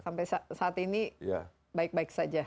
sampai saat ini baik baik saja